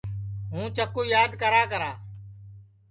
ہُوں چکُو یاد کراکرا